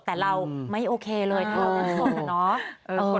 แต่เราไม่โอเคเลยเราก็ไม่โสดรักน้อ